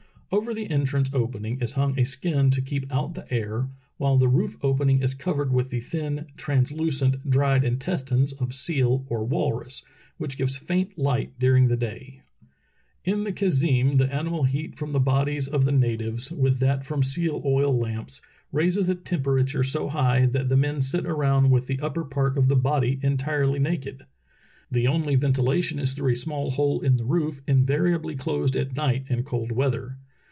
Over the entrance opening is hung a skin to keep out the air, while the roof opening is covered with the thin, translucent, dried intestines of the seal or walrus, which gives famt light during the day. *Tn the khazeem the animal heat from the bodies of Relief of American Whalers at Point Barrow 279 the natives, with that from seal oil lamps, raises the temperature so high that the men sit around with the upper part of the body entirely naked. The only ven tilation is through a small hole in the roof, invariably closed at night in cold weather.